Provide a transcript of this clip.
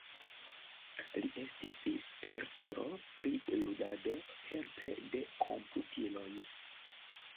Li estis spertulo pri ludado helpe de komputiloj.